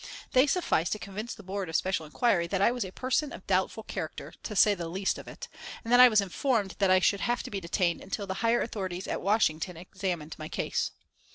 They sufficed to convince the Board of Special Inquiry that I was a person of doubtful character, to say the least of it, and I was informed that I should have to be detained until the higher authorities at Washington examined my case.